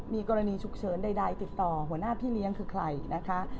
มีกรณีฉุกเฉินใดติดต่อหัวหน้าพี่เลี้ยงคือใครนะคะ